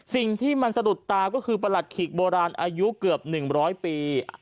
สิ่งที่มันสะดุดตาก็คือประหลัดขีกโบราณอายุเกือบ๑๐๐ปี